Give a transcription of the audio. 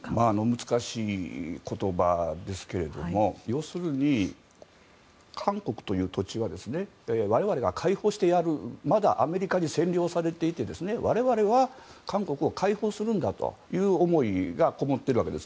難しい言葉ですが要するに、韓国という土地は我々が解放してやるまだアメリカに占領されていて我々は、韓国を解放するんだという思いがこもっているわけです。